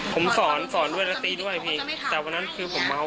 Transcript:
ผมสอนสอนด้วยแล้วตีด้วยพี่แต่วันนั้นคือผมเมา